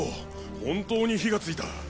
本当に火がついた！